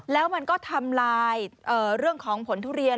แล้วมันก็ทำลายเรื่องของผลทุเรียน